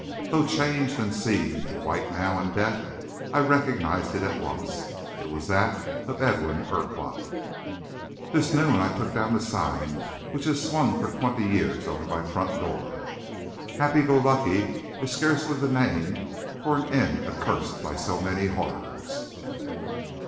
Though changed and seamed and white now in death, I recognized it at once. It was that of Edwin Urquhart. ..... This noon I took down the sign which has swung for twenty years over my front door. "Happy Go Lucky" is scarcely the name for an inn accursed by so many horrors.